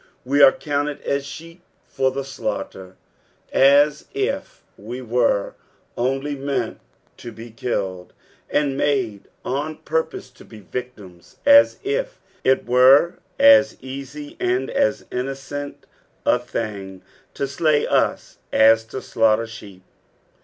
" We are counted aa sheep for the id.\uj)hter y" as it we were only meant to be killed, and made on purpose to be victims ; as if it were as easy and as innocent a thing to slay us as to slaughter sheep.